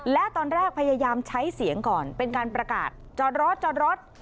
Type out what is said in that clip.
และตอนแรกพยายามใช้เสียงก่อนเป็นการประกาศจอดรถจอดรถ